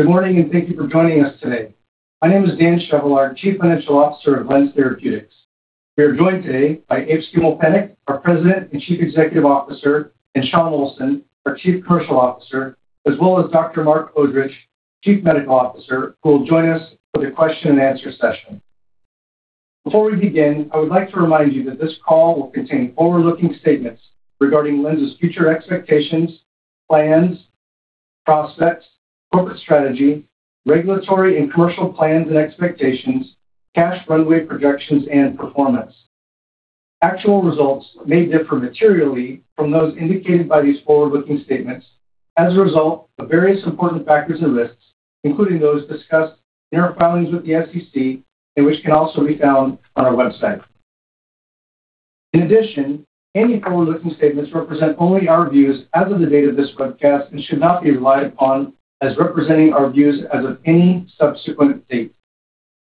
Good morning, and thank you for joining us today. My name is Dan Chevallard, Chief Financial Officer of LENZ Therapeutics. We are joined today by Evert Schimmelpennink, our President and Chief Executive Officer, and Shawn Olsson, our Chief Commercial Officer, as well as Dr. Marc Odrich, Chief Medical Officer, who will join us for the question-and-answer session. Before we begin, I would like to remind you that this call will contain forward-looking statements regarding LENZ's future expectations, plans, prospects, corporate strategy, regulatory and commercial plans and expectations, cash runway projections, and performance. Actual results may differ materially from those indicated by these forward-looking statements as a result of various important factors it lists, including those discussed in our filings with the SEC and which can also be found on our website. In addition, any forward-looking statements represent only our views as of the date of this broadcast and should not be relied on as representing our views as of any subsequent date.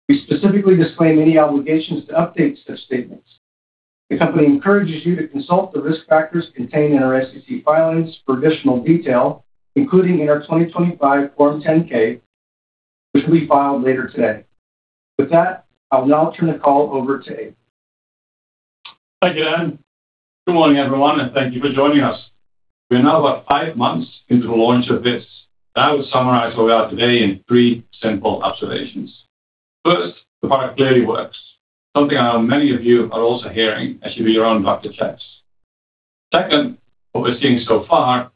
We specifically disclaim any obligations to update such statements. The company encourages you to consult the risk factors contained in our SEC filings for additional detail, including in our 2025 Form 10-K, which will be filed later today. With that, I'll now turn the call over to Evert. Thank you, Dan. Good morning, everyone, and thank you for joining us. We are now about five months into the launch of LNZ100. I would summarize where we are today in three simple observations. First, the product clearly works, something I know many of you are also hearing as you do your own doctor checks. Second, what we're seeing so far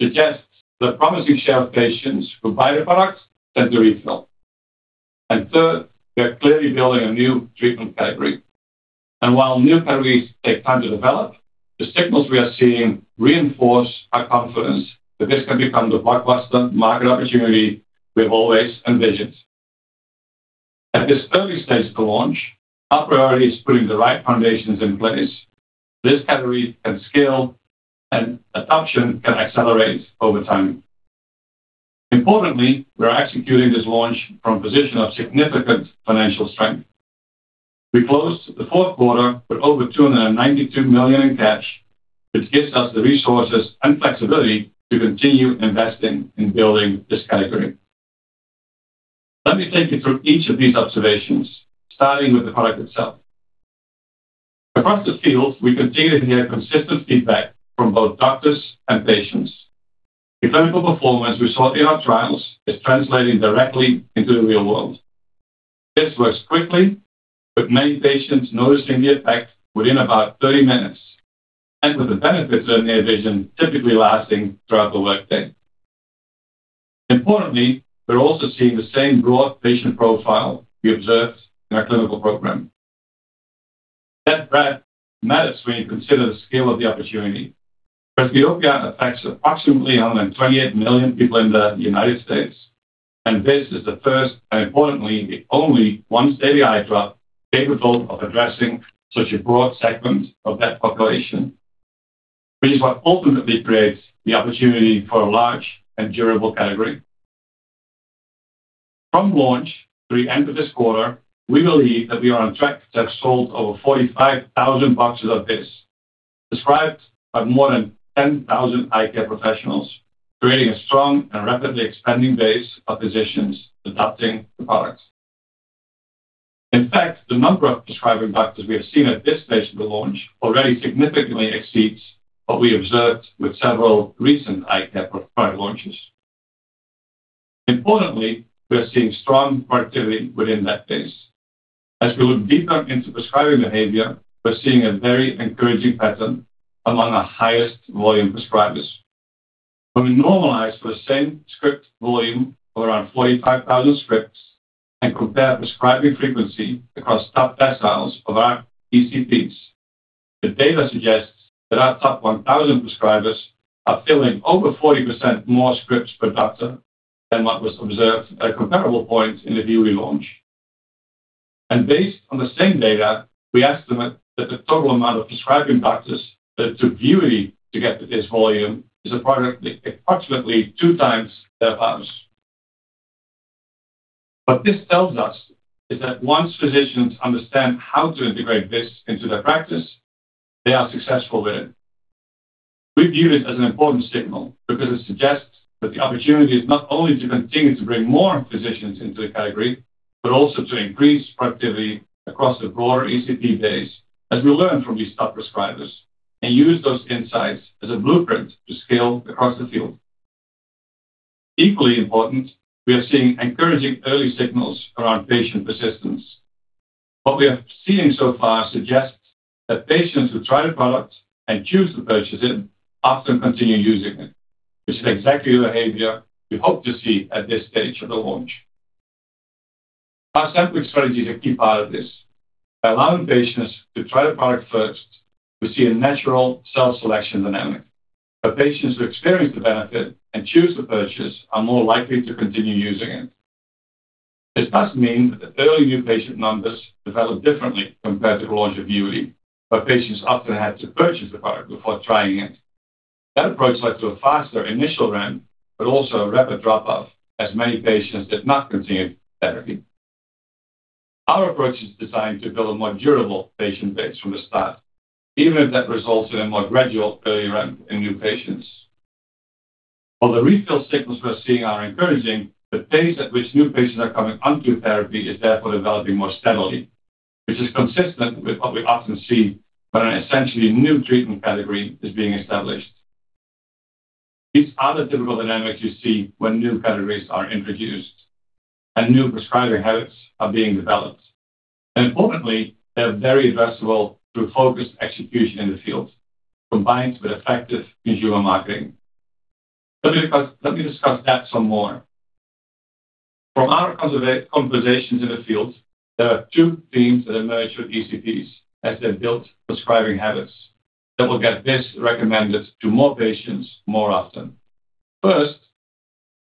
suggests that a promising share of patients who buy the product tend to refill. Third, we are clearly building a new treatment category. While new categories take time to develop, the signals we are seeing reinforce our confidence that this can become the blockbuster market opportunity we have always envisioned. At this early stage of the launch, our priority is putting the right foundations in place so this category can scale and adoption can accelerate over time. Importantly, we're executing this launch from a position of significant financial strength. We closed the Q4 with over $292 million in cash, which gives us the resources and flexibility to continue investing in building this category. Let me take you through each of these observations, starting with the product itself. Across the field, we continue to hear consistent feedback from both doctors and patients. The clinical performance we saw in our trials is translating directly into the real world. This works quickly, with many patients noticing the effect within about 30 minutes, and with the benefits of near vision typically lasting throughout the workday. Importantly, we're also seeing the same broad patient profile we observed in our clinical program. That breadth matters when you consider the scale of the opportunity. Presbyopia affects approximately 128 million people in the United States, and LNZ100 is the first, and importantly, the only once-daily eye drop capable of addressing such a broad segment of that population, which is what ultimately creates the opportunity for a large and durable category. From launch through the end of this quarter, we believe that we are on track to have sold over 45,000 boxes of LNZ100, prescribed by more than 10,000 eye care professionals, creating a strong and rapidly expanding base of physicians adopting the product. In fact, the number of prescribing doctors we have seen at this stage of the launch already significantly exceeds what we observed with several recent eye care product launches. Importantly, we are seeing strong productivity within that base. As we look deeper into prescribing behavior, we're seeing a very encouraging pattern among our highest volume prescribers. When we normalize for the same script volume of around 45,000 scripts and compare prescribing frequency across top deciles of our ECPs, the data suggests that our top 1,000 prescribers are filling over 40% more scripts per doctor than what was observed at a comparable point in the VUITY launch. Based on the same data, we estimate that the total amount of prescribing doctors that took VUITY to get to this volume is approximately 2x their partners. What this tells us is that once physicians understand how to integrate LNZ100 into their practice, they are successful with it. We view this as an important signal because it suggests that the opportunity is not only to continue to bring more physicians into the category, but also to increase productivity across the broader ECP base as we learn from these top prescribers and use those insights as a blueprint to scale across the field. Equally important, we are seeing encouraging early signals around patient persistence. What we have seen so far suggests that patients who try the product and choose to purchase it often continue using it, which is exactly the behavior we hope to see at this stage of the launch. Our sample strategy is a key part of this. By allowing patients to try the product first, we see a natural self-selection dynamic, where patients who experience the benefit and choose to purchase are more likely to continue using it. This does mean that the early new patient numbers develop differently compared to the launch of Vuity, where patients often had to purchase the product before trying it. That approach led to a faster initial ramp, but also a rapid drop-off as many patients did not continue therapy. Our approach is designed to build a more durable patient base from the start, even if that results in a more gradual uptake in new patients. While the refill signals we're seeing are encouraging, the pace at which new patients are coming onto therapy is therefore developing more steadily, which is consistent with what we often see when an essentially new treatment category is being established. These are the typical dynamics you see when new categories are introduced and new prescribing habits are being developed. Importantly, they're very addressable through focused execution in the field, combined with effective consumer marketing. Let me discuss that some more. From our conversations in the field, there are two themes that emerge with ECPs as they build prescribing habits that will get this recommended to more patients more often. First,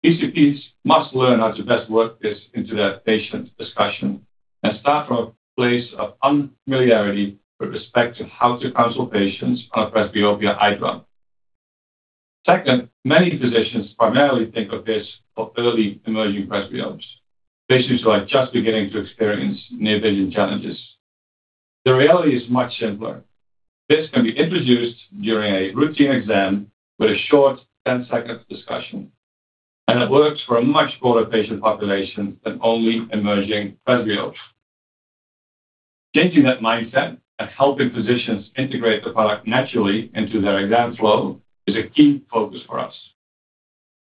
ECPs must learn how to best work this into their patient discussion and start from a place of unfamiliarity with respect to how to counsel patients on a presbyopia eye drop. Second, many physicians primarily think of this for early emerging presbyopes, patients who are just beginning to experience near vision challenges. The reality is much simpler. This can be introduced during a routine exam with a short 10-second discussion, and it works for a much broader patient population than only emerging presbyopes. Changing that mindset and helping physicians integrate the product naturally into their exam flow is a key focus for us.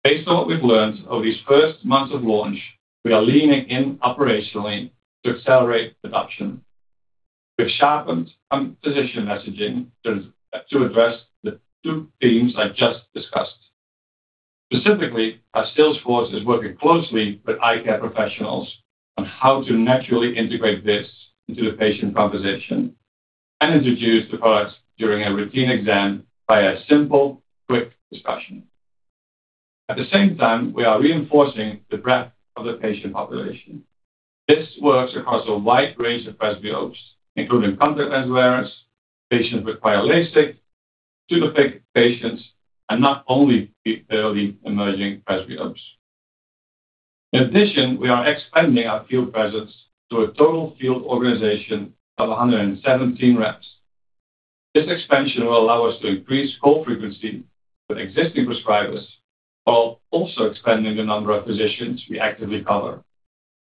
Based on what we've learned over these first months of launch, we are leaning in operationally to accelerate adoption. We've sharpened on physician messaging to address the two themes I just discussed. Specifically, our sales force is working closely with eye care professionals on how to naturally integrate this into the patient conversation and introduce the product during a routine exam by a simple, quick discussion. At the same time, we are reinforcing the breadth of the patient population. This works across a wide range of presbyopes, including contact lens wearers, patients requiring LASIK to pseudophakic patients, and not only the early emerging presbyopes. In addition, we are expanding our field presence to a total field organization of 117 reps. This expansion will allow us to increase call frequency with existing prescribers while also expanding the number of physicians we actively cover,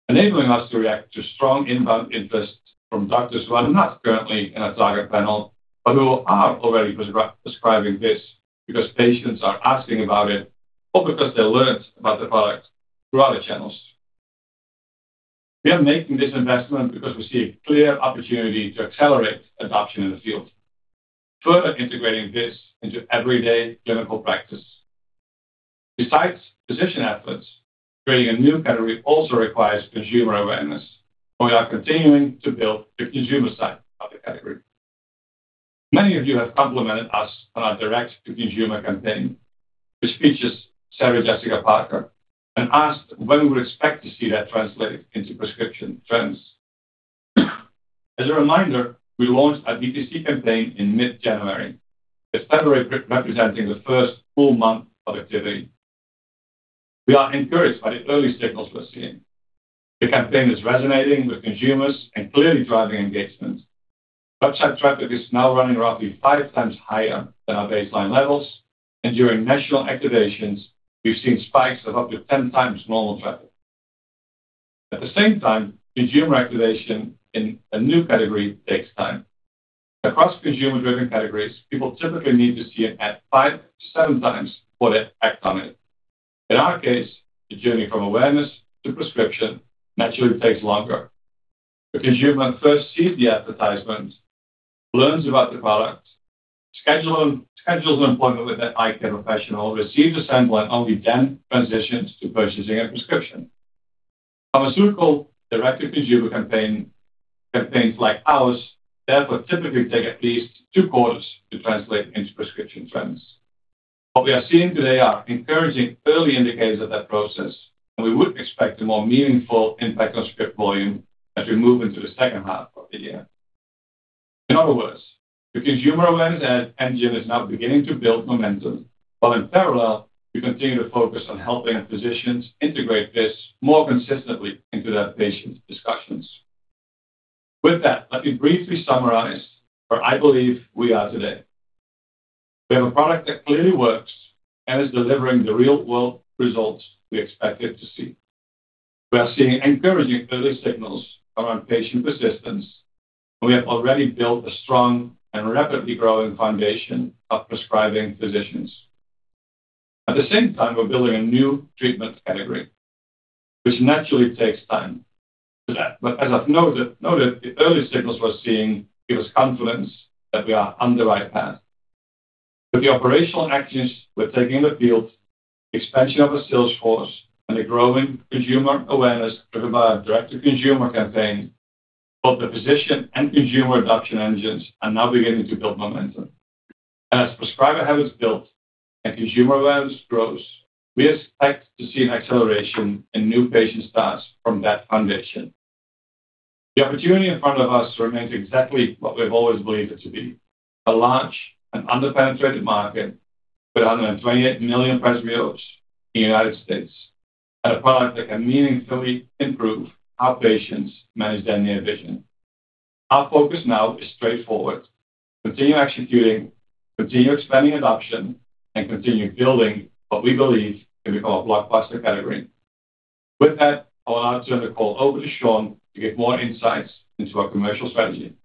enabling us to react to strong inbound interest from doctors who are not currently in a target panel, but who are already prescribing this because patients are asking about it or because they learned about the product through other channels. We are making this investment because we see a clear opportunity to accelerate adoption in the field, further integrating this into everyday clinical practice. Besides physician efforts, creating a new category also requires consumer awareness. We are continuing to build the consumer side of the category. Many of you have complimented us on our direct-to-consumer campaign, which features Sarah Jessica Parker, and asked when we expect to see that translated into prescription trends. As a reminder, we launched our DTC campaign in mid-January, with February representing the first full month of activity. We are encouraged by the early signals we're seeing. The campaign is resonating with consumers and clearly driving engagement. Website traffic is now running roughly 5x higher than our baseline levels, and during national activations, we've seen spikes of up to 10x normal traffic. At the same time, consumer activation in a new category takes time. Across consumer-driven categories, people typically need to see an ad five to seven times before they act on it. In our case, the journey from awareness to prescription naturally takes longer. The consumer first sees the advertisement, learns about the product, schedules an appointment with an eye care professional, receives a sample, and only then transitions to purchasing a prescription. Pharmaceutical direct-to-consumer campaign, campaigns like ours, therefore typically take at least two quarters to translate into prescription trends. What we are seeing today are encouraging early indicators of that process, and we would expect a more meaningful impact on script volume as we move into the second half of the year. In other words, the consumer awareness engine is now beginning to build momentum, while in parallel, we continue to focus on helping physicians integrate this more consistently into their patient discussions. With that, let me briefly summarize where I believe we are today. We have a product that clearly works and is delivering the real-world results we expected to see. We are seeing encouraging early signals around patient persistence, and we have already built a strong and rapidly growing foundation of prescribing physicians. At the same time, we're building a new treatment category, which naturally takes time to that. As I've noted, the early signals we're seeing give us confidence that we are on the right path. With the operational actions we're taking in the field, expansion of the sales force, and a growing consumer awareness driven by our direct-to-consumer campaign, both the physician and consumer adoption engines are now beginning to build momentum. As prescriber habits build and consumer awareness grows, we expect to see an acceleration in new patient starts from that foundation. The opportunity in front of us remains exactly what we've always believed it to be, a large and under-penetrated market. With 128 million presbyopes in the United States at a product that can meaningfully improve how patients manage their near vision. Our focus now is straightforward. Continue executing, continue expanding adoption, and continue building what we believe can become a blockbuster category. With that, I'll now turn the call over to Shawn to give more insights into our commercial strategy.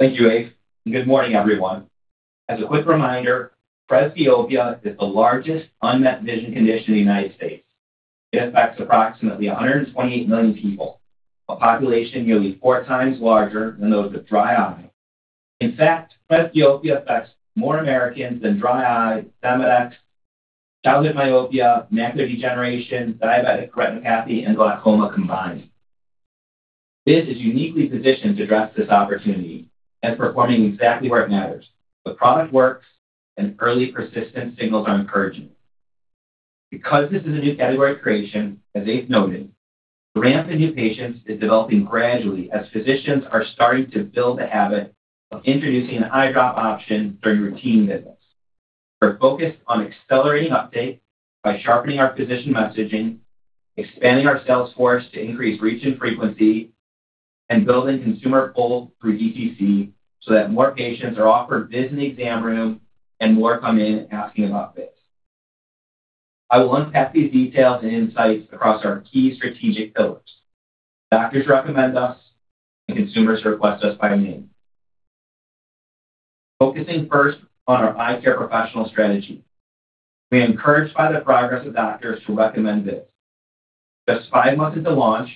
Thank you, Evert Schimmelpennink, and good morning, everyone. As a quick reminder, presbyopia is the largest unmet vision condition in the United States. It affects approximately 128 million people, a population nearly 4x larger than those with dry eye. In fact, presbyopia affects more Americans than dry eye, xerostomia, childhood myopia, macular degeneration, diabetic retinopathy, and glaucoma combined. This is uniquely positioned to address this opportunity and performing exactly where it matters. The product works, and early persistent signals are encouraging. Because this is a new category creation, as Evert Schimmelpennink noted, the ramp in new patients is developing gradually as physicians are starting to build a habit of introducing an eye drop option during routine visits. We're focused on accelerating uptake by sharpening our physician messaging, expanding our sales force to increase reach and frequency, and building consumer pull through DTC so that more patients are offered VIZZ in the exam room and more come in asking about VIZZ. I will unpack these details and insights across our key strategic pillars. Doctors recommend us, and consumers request us by name. Focusing first on our eye care professional strategy. We are encouraged by the progress of doctors who recommend VIZZ. Just five months into launch,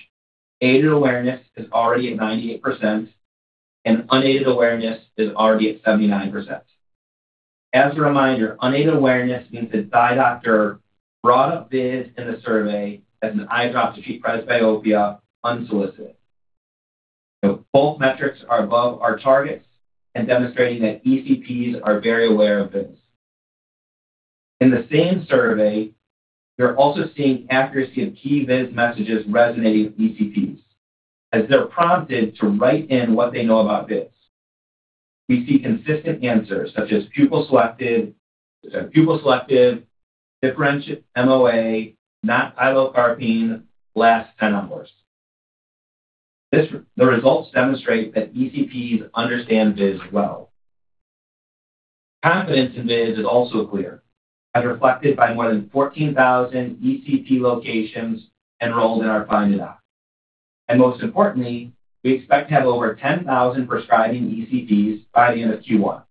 aided awareness is already at 98%, and unaided awareness is already at 79%. As a reminder, unaided awareness means that eye doctor brought up VIZZ in a survey as an eye drop to treat presbyopia unsolicited. Both metrics are above our targets and demonstrating that ECPs are very aware of VIZZ. In the same survey, we're also seeing accuracy of key VIZZ messages resonating with ECPs. As they're prompted to write in what they know about VIZZ, we see consistent answers such as pupil-selective, differentiated MOA, not pilocarpine, lasts 10 hours. The results demonstrate that ECPs understand VIZZ well. Confidence in VIZZ is also clear, as reflected by more than 14,000 ECP locations enrolled in our Find a Doc. Most importantly, we expect to have over 10,000 prescribing ECPs by the end of Q1,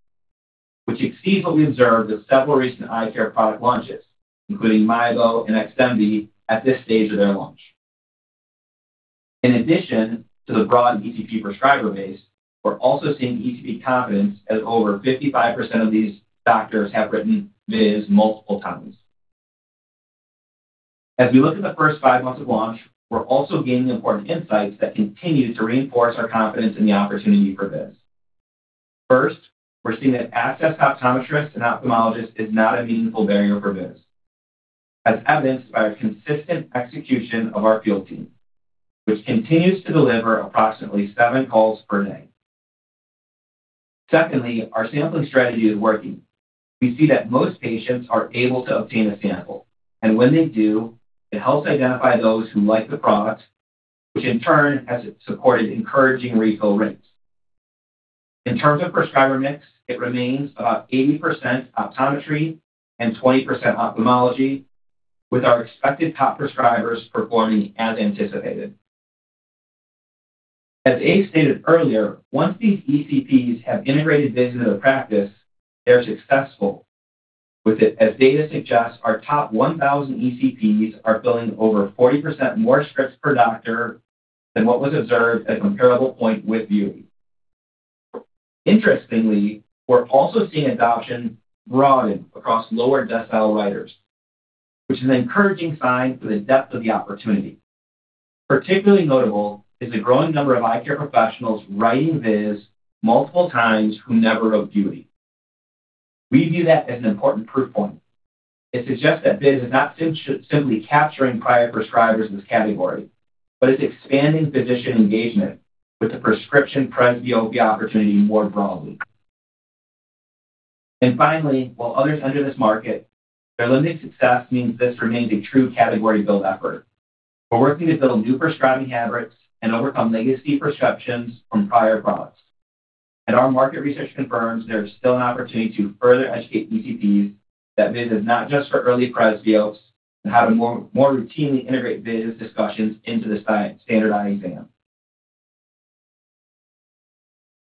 which exceeds what we observed with several recent eye care product launches, including MIEBO and VUITY, at this stage of their launch. In addition to the broad ECP prescriber base, we're also seeing ECP confidence as over 55% of these doctors have written VIZZ multiple times. As we look at the first five months of launch, we're also gaining important insights that continue to reinforce our confidence in the opportunity for VIZZ. First, we're seeing that access to optometrists and ophthalmologists is not a meaningful barrier for VIZZ, as evidenced by our consistent execution of our field team, which continues to deliver approximately seven calls per day. Secondly, our sampling strategy is working. We see that most patients are able to obtain a sample, and when they do, it helps identify those who like the product, which in turn has supported encouraging refill rates. In terms of prescriber mix, it remains about 80% optometry and 20% ophthalmology, with our expected top prescribers performing as anticipated. As Ace stated earlier, once these ECPs have integrated VIZ into the practice, they're successful with it as data suggests our top 1,000 ECPs are filling over 40% more scripts per doctor than what was observed at a comparable point with Vuity. Interestingly, we're also seeing adoption broaden across lower decile writers, which is an encouraging sign for the depth of the opportunity. Particularly notable is the growing number of eye care professionals writing VIZ multiple times who never wrote Vuity. We view that as an important proof point. It suggests that VIZ is not simply capturing prior prescribers in this category, but it's expanding physician engagement with the prescription presbyopia opportunity more broadly. Finally, while others enter this market, their limited success means this remains a true category build effort. We're working to build new prescribing habits and overcome legacy perceptions from prior products. Our market research confirms there is still an opportunity to further educate ECPs that VIZZ is not just for early presbyopes and how to more routinely integrate VIZZ discussions into the standard eye exam.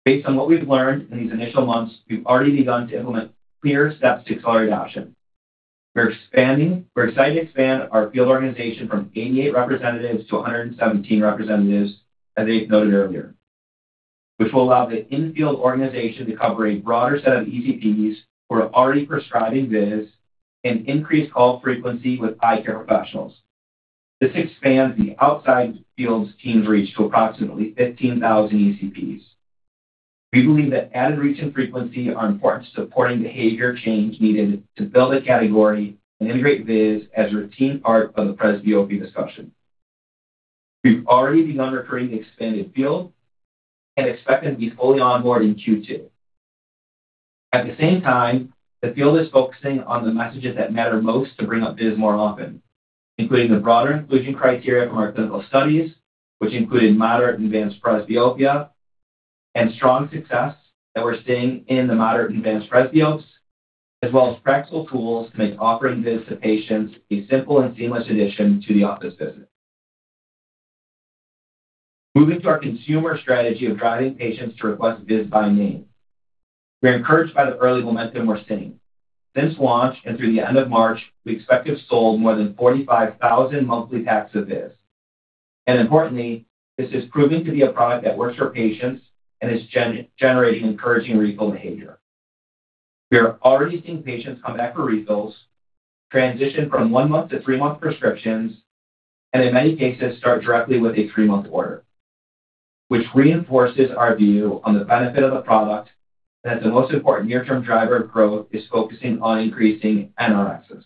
Based on what we've learned in these initial months, we've already begun to implement clear steps to accelerate adoption. We're excited to expand our field organization from 88 representatives to 117 representatives, as Ace noted earlier. Which will allow the in-field organization to cover a broader set of ECPs who are already prescribing VIZZ and increase call frequency with eye care professionals. This expands the outside fields team's reach to approximately 15,000 ECPs. We believe that added reach and frequency are important to supporting behavior change needed to build a category and integrate VIZZ as a routine part of the presbyopia discussion. We've already begun recruiting the expanded field and expect them to be fully onboard in Q2. At the same time, the field is focusing on the messages that matter most to bring up VIZZ more often, including the broader inclusion criteria from our clinical studies, which included moderate and advanced presbyopia and strong success that we're seeing in the moderate and advanced presbyopes, as well as practical tools to make offering VIZZ to patients a simple and seamless addition to the office visit. Moving to our consumer strategy of driving patients to request VIZZ by name. We're encouraged by the early momentum we're seeing. Since launch and through the end of March, we expect to have sold more than 45,000 monthly packs of VIZZ. Importantly, this is proving to be a product that works for patients and is generating encouraging refill behavior. We are already seeing patients come back for refills, transition from one-month to three-month prescriptions, and in many cases, start directly with a three-month order, which reinforces our view on the benefit of the product and that the most important near-term driver of growth is focusing on increasing NRX access.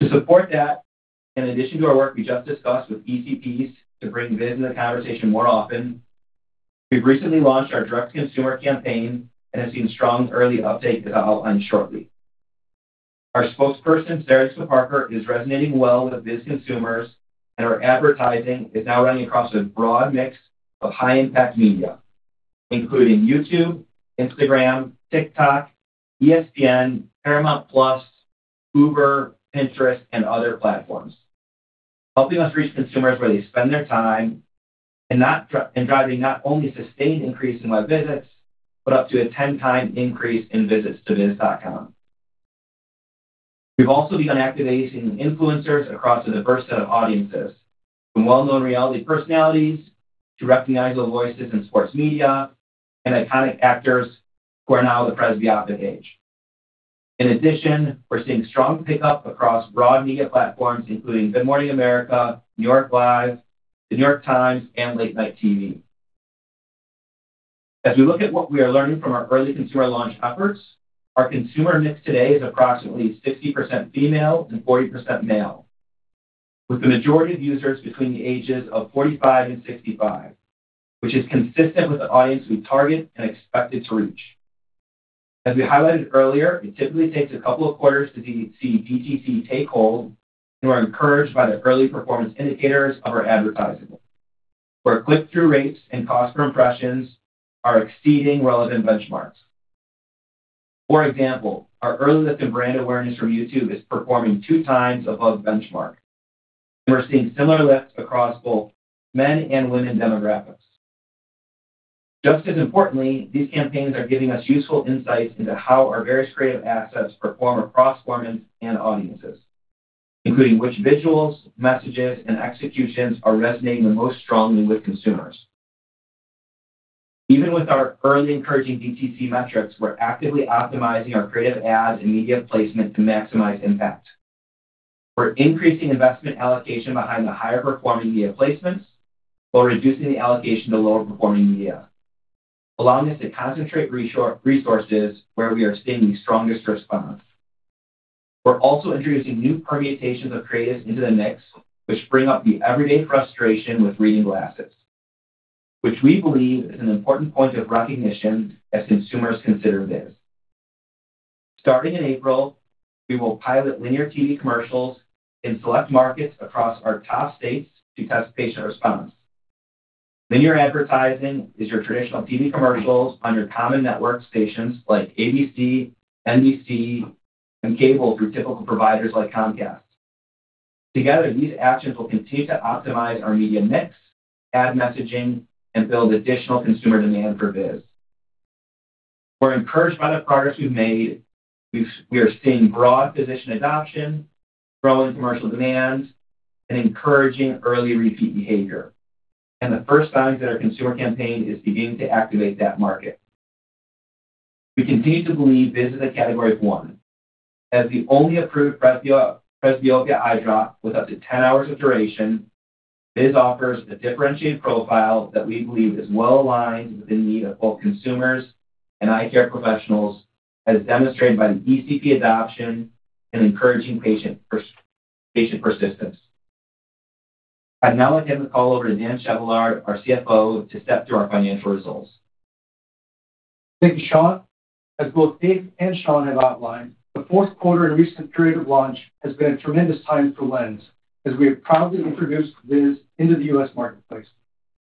To support that, in addition to our work we just discussed with ECPs to bring VIZZ in the conversation more often, we've recently launched our direct-to-consumer campaign and have seen strong early uptake that I'll outline shortly. Our spokesperson, Sarah Jessica Parker, is resonating well with VIZZ consumers, and our advertising is now running across a broad mix of high-impact media, including YouTube, Instagram, TikTok, ESPN, Paramount+, Uber, Pinterest, and other platforms, helping us reach consumers where they spend their time and driving not only sustained increase in web visits, but up to a 10-time increase in visits to vizz.com. We've also begun activating influencers across a diverse set of audiences, from well-known reality personalities to recognizable voices in sports media and iconic actors who are now the presbyopic age. In addition, we're seeing strong pickup across broad media platforms, including Good Morning America, New York Live, The New York Times, and late-night TV. As we look at what we are learning from our early consumer launch efforts, our consumer mix today is approximately 60% female and 40% male, with the majority of users between the ages of 45 and 65, which is consistent with the audience we target and expected to reach. As we highlighted earlier, it typically takes a couple of quarters to see DTC take hold, and we're encouraged by the early performance indicators of our advertising where click-through rates and cost per impressions are exceeding relevant benchmarks. For example, our early lift in brand awareness from YouTube is performing 2x above benchmark, and we're seeing similar lifts across both men and women demographics. Just as importantly, these campaigns are giving us useful insights into how our various creative assets perform across platforms and audiences, including which visuals, messages, and executions are resonating the most strongly with consumers. Even with our early encouraging DTC metrics, we're actively optimizing our creative ads and media placement to maximize impact. We're increasing investment allocation behind the higher-performing media placements while reducing the allocation to lower-performing media, allowing us to concentrate resources where we are seeing the strongest response. We're also introducing new permutations of creatives into the mix which bring up the everyday frustration with reading glasses, which we believe is an important point of recognition as consumers consider VIZZ. Starting in April, we will pilot linear TV commercials in select markets across our top states to test patient response. Linear advertising is your traditional TV commercials on your common network stations like ABC, NBC, and cable through typical providers like Comcast. Together, these actions will continue to optimize our media mix, ad messaging, and build additional consumer demand for VIZZ. We're encouraged by the progress we've made. We are seeing broad physician adoption, growing commercial demand, and encouraging early repeat behavior, and the first signs that our consumer campaign is beginning to activate that market. We continue to believe Viz is a category of one. As the only approved presbyopia eye drop with up to 10 hours of duration, Viz offers a differentiated profile that we believe is well aligned with the need of both consumers and eye care professionals, as demonstrated by the ECP adoption and encouraging patient persistence. I'd now like to hand the call over to Dan Chevallard, our CFO, to step through our financial results. Thank you, Shawn. As both Evert Schimmelpennink and Shawn have outlined, the Q4 and recent period of launch has been a tremendous time for LENZ as we have proudly introduced VIZZ into the U.S. marketplace,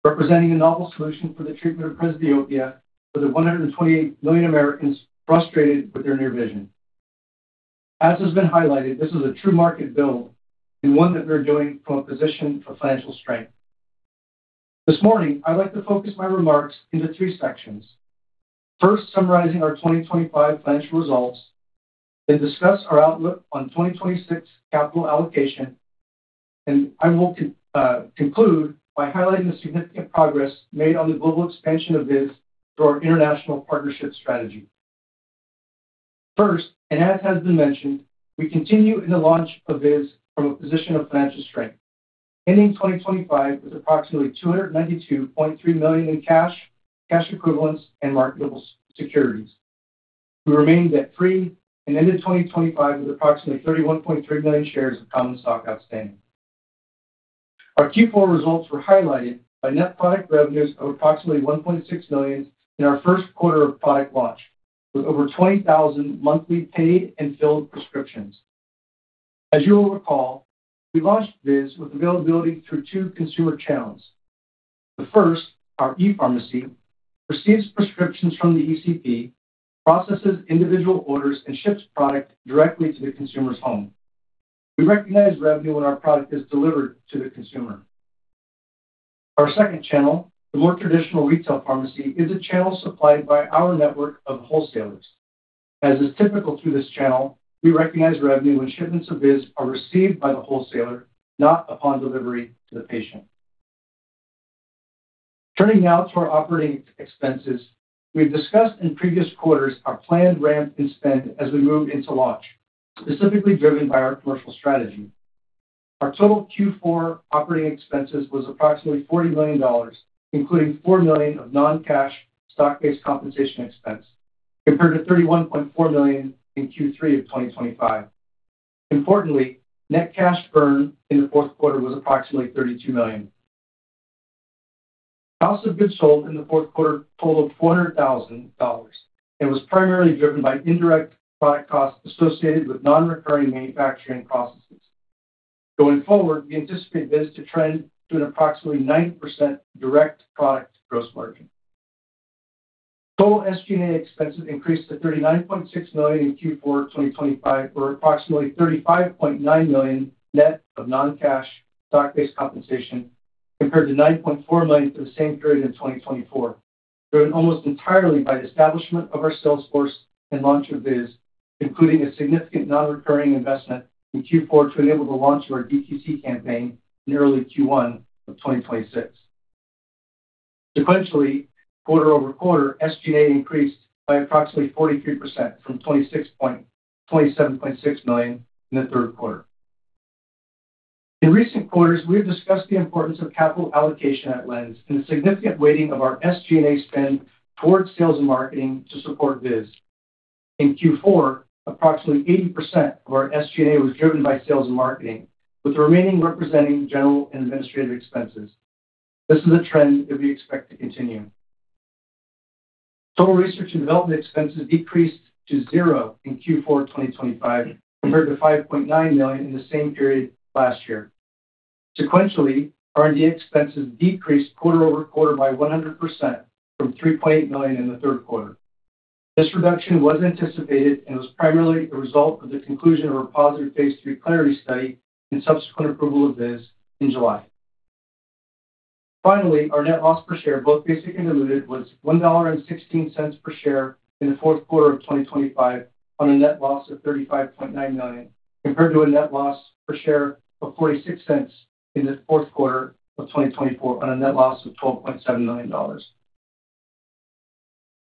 representing a novel solution for the treatment of presbyopia for the 128 million Americans frustrated with their near vision. As has been highlighted, this is a true market build and one that we're doing from a position of financial strength. This morning, I'd like to focus my remarks into three sections. First, summarizing our 2025 financial results, then discuss our outlook on 2026 capital allocation, and I will conclude by highlighting the significant progress made on the global expansion of VIZZ through our international partnership strategy. First, as has been mentioned, we continue in the launch of VIZZ from a position of financial strength. Ending 2025 with approximately $292.3 million in cash equivalents, and marketable securities. We remained debt-free and ended 2025 with approximately 31.3 million shares of common stock outstanding. Our Q4 results were highlighted by net product revenues of approximately $1.6 million in our Q1 of product launch, with over 20,000 monthly paid and filled prescriptions. As you will recall, we launched VIZZ with availability through two consumer channels. The first, our ePharmacy, receives prescriptions from the ECP, processes individual orders, and ships product directly to the consumer's home. We recognize revenue when our product is delivered to the consumer. Our second channel, the more traditional retail pharmacy, is a channel supplied by our network of wholesalers. As is typical through this channel, we recognize revenue when shipments of VIZZ are received by the wholesaler, not upon delivery to the patient. Turning now to our operating expenses. We've discussed in previous quarters our planned ramp in spend as we move into launch, specifically driven by our commercial strategy. Our total Q4 operating expenses was approximately $40 million, including $4 million of non-cash stock-based compensation expense, compared to $31.4 million in Q3 of 2025. Importantly, net cash burn in the Q4 was approximately $32 million. Cost of goods sold in the Q4 totaled $400,000 and was primarily driven by indirect product costs associated with non-recurring manufacturing processes. Going forward, we anticipate VIZZ to trend to an approximately 90% direct product gross margin. Total SG&A expenses increased to $39.6 million in Q4 2025, or approximately $35.9 million net of non-cash stock-based compensation, compared to $9.4 million for the same period in 2024, driven almost entirely by the establishment of our sales force and launch of Viz, including a significant non-recurring investment in Q4 to enable the launch of our DTC campaign in early Q1 of 2026. Sequentially, quarter-over-quarter, SG&A increased by approximately 43% from $27.6 million in the Q3. In recent quarters, we have discussed the importance of capital allocation at LENZ and the significant weighting of our SG&A spend towards sales and marketing to support Viz. In Q4, approximately 80% of our SG&A was driven by sales and marketing, with the remaining representing general and administrative expenses. This is a trend that we expect to continue. Total research and development expenses decreased to $0 in Q4 2025 compared to $5.9 million in the same period last year. Sequentially, R&D expenses decreased quarter-over-quarter by 100% from $3.8 million in the Q3. This reduction was anticipated and was primarily a result of the conclusion of our positive phase III CLARITY study and subsequent approval of VIZZ in July. Finally, our net loss per share, both basic and diluted, was $1.16 per share in the Q4 of 2025 on a net loss of $35.9 million, compared to a net loss per share of $0.46 in the Q4 of 2024 on a net loss of $12.7 million.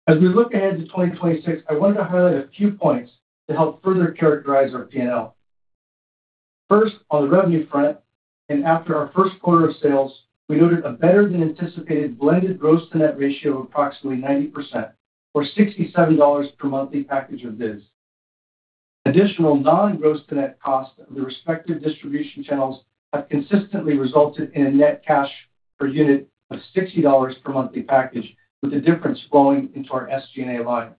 As we look ahead to 2026, I wanted to highlight a few points to help further characterize our P&L. First, on the revenue front, and after our Q1 of sales, we noted a better-than-anticipated blended gross to net ratio of approximately 90% or $67 per monthly package of VIZZ. Additional non-gross to net costs of the respective distribution channels have consistently resulted in a net cash per unit of $60 per monthly package, with the difference flowing into our SG&A line.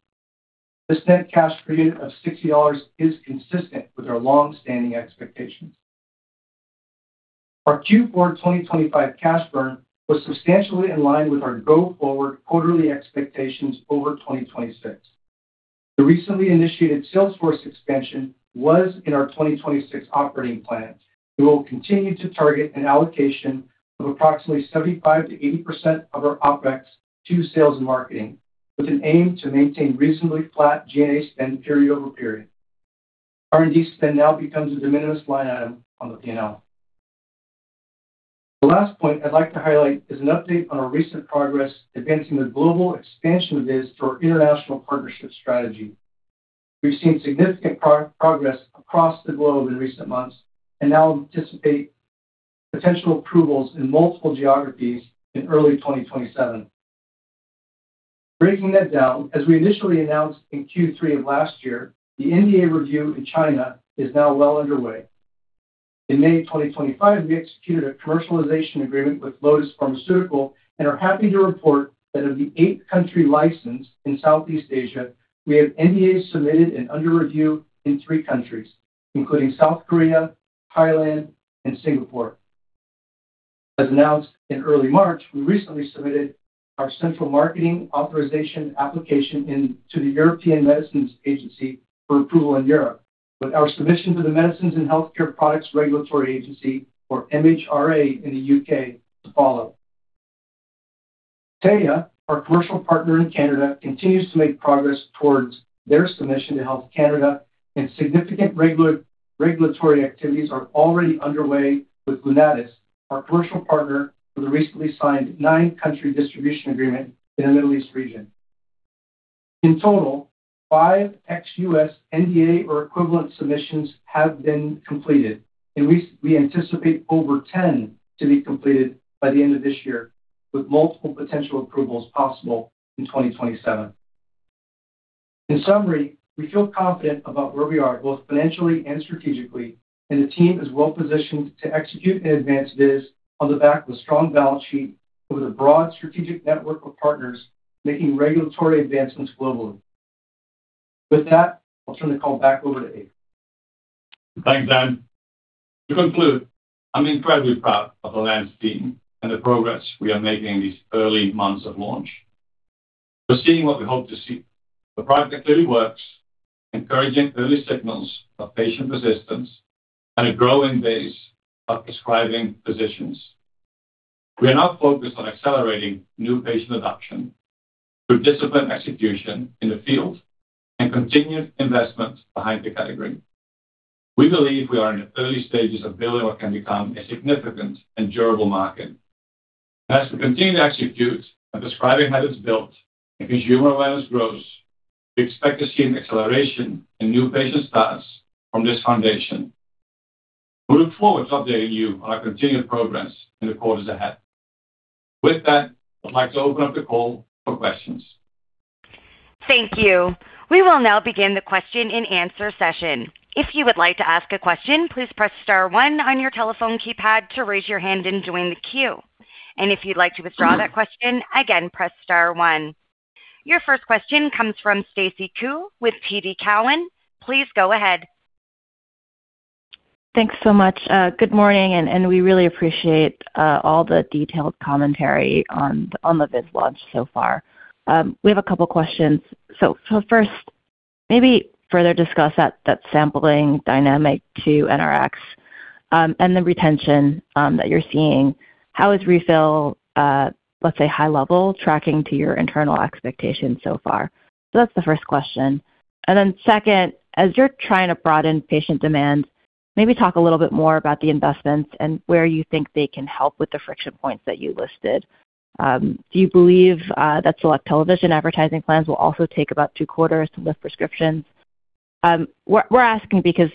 This net cash per unit of $60 is consistent with our long-standing expectations. Our Q4 2025 cash burn was substantially in line with our go-forward quarterly expectations over 2026. The recently initiated sales force expansion was in our 2026 operating plans. We will continue to target an allocation of approximately 75%-80% of our OpEx to sales and marketing, with an aim to maintain reasonably flat G&A spend period over period. R&D spend now becomes a de minimis line item on the P&L. The last point I'd like to highlight is an update on our recent progress advancing the global expansion of VIZZ through our international partnership strategy. We've seen significant progress across the globe in recent months and now anticipate potential approvals in multiple geographies in early 2027. Breaking that down, as we initially announced in Q3 of last year, the NDA review in China is now well underway. In May 2025, we executed a commercialization agreement with Lotus Pharmaceutical and are happy to report that of the eight-country license in Southeast Asia, we have NDAs submitted and under review in three countries, including South Korea, Thailand, and Singapore. As announced in early March, we recently submitted our centralized marketing authorization application to the European Medicines Agency for approval in Europe, with our submission to the Medicines and Healthcare Products Regulatory Agency or MHRA in the U.K. to follow. Théa, our commercial partner in Canada, continues to make progress towards their submission to Health Canada, and significant regulatory activities are already underway with Lunatus, our commercial partner for the recently signed nine-country distribution agreement in the Middle East region. In total, five ex-U.S. NDA or equivalent submissions have been completed, and we anticipate over 10 to be completed by the end of this year. With multiple potential approvals possible in 2027. In summary, we feel confident about where we are both financially and strategically, and the team is well-positioned to execute and advance this on the back of a strong balance sheet with a broad strategic network of partners making regulatory advancements globally. With that, I'll turn the call back over to Evert. Thanks, Dan. To conclude, I'm incredibly proud of the LENZ team and the progress we are making in these early months of launch. We're seeing what we hope to see. The product clearly works, encouraging early signals of patient persistence, and a growing base of prescribing physicians. We are now focused on accelerating new patient adoption through disciplined execution in the field and continued investment behind the category. We believe we are in the early stages of building what can become a significant and durable market. As we continue to execute and prescribing habits build and consumer awareness grows, we expect to see an acceleration in new patient starts from this foundation. We look forward to updating you on our continued progress in the quarters ahead. With that, I'd like to open up the call for questions. Thank you. We will now begin the question-and-answer session. If you would like to ask a question, please press star one on your telephone keypad to raise your hand and join the queue. If you'd like to withdraw that question, again, press star one. Your first question comes from Stacy Ku with TD Cowen. Please go ahead. Thanks so much. Good morning, and we really appreciate all the detailed commentary on the VIZZ launch so far. We have a couple questions. First, maybe further discuss that sampling dynamic to NRX, and the retention that you're seeing. How is refill, let's say, high level tracking to your internal expectations so far? That's the first question. Second, as you're trying to broaden patient demand, maybe talk a little bit more about the investments and where you think they can help with the friction points that you listed. Do you believe that select television advertising plans will also take about two quarters to lift prescriptions? We're asking because